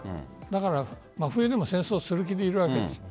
だから真冬でも戦争する気でいるわけです。